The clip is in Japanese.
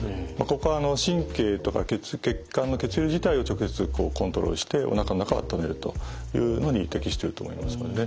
ここは神経とか血管の血流自体を直接コントロールしておなかの中をあっためるというのに適してると思います。